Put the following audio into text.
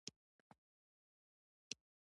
درې څلوېښت څلور څلوېښت